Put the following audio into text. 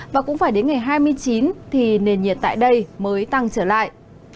và cũng phải đến ngày hai mươi chín thì nền nhiệt tại đây mới tăng trở lại